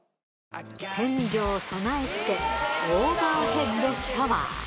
天井備え付け、オーバーヘッドシャワー。